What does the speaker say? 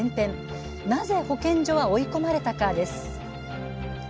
なぜ保健所は追い込まれたか」。